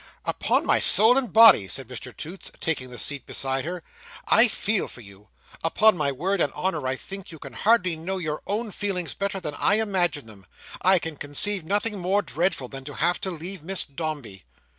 "Upon my soul and body!" said Mr Toots, taking his seat beside her. "I feel for you. Upon my word and honour I think you can hardly know your own feelings better than I imagine them. I can conceive nothing more dreadful than to have to leave Miss Dombey."